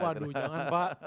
waduh jangan pak